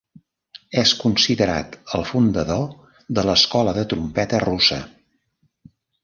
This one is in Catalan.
És considerat el fundador de l'escola de trompeta russa.